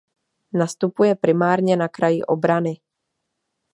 Nastupuje primárně na kraji obrany.